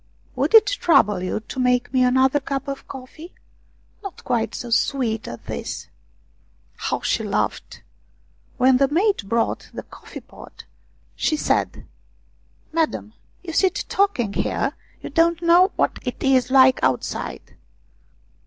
" Would it trouble you to make me another cup of coffee, not quite so sweet as this ?" How she laughed ! When the maid brought the coffee pot, she said : AT MANJOALA'S INN 41 " Madam, you sit talking here you don't know what it is like outside."